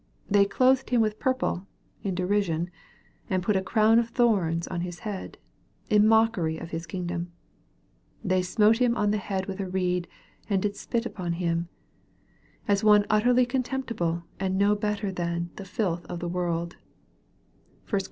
They " clothed Him with purple" in derision, and put " a crown of thorns" on His head, in mockery of his kingdom. " They smote Him on the head with a reed, and did spit upon Him," as one utterly contemptible, and no better than " the filth of the world/' (1 Cor.